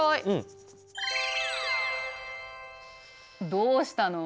どうしたの？